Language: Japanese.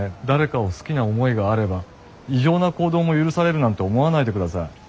誰かを好きな思いがあれば異常な行動も許されるなんて思わないでください。